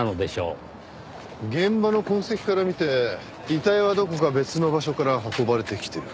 現場の痕跡から見て遺体はどこか別の場所から運ばれてきてる。